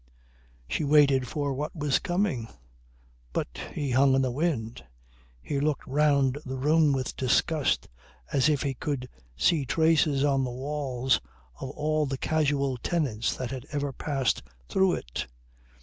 She waited for what was coming. But he hung in the wind. He looked round the room with disgust as if he could see traces on the walls of all the casual tenants that had ever passed through it.